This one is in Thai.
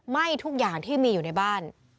ไหม้ทุกอย่างที่มีอยู่ในบ้าน